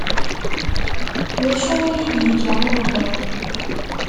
D acu i yi-d-yeǧǧa iḍelli.